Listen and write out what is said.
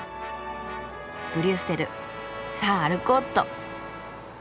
ブリュッセルさあ歩こうっと。